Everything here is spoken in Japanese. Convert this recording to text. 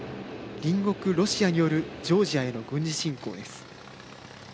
隣国ロシアによるジョージアへの軍事侵攻です。